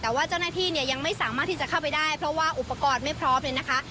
แต่ว่าเจ้าหน้าที่เนี่ยยังไม่สามารถที่จะเข้าไปได้เพราะว่าอุปกรณ์ไม่พร้อมเลยนะคะ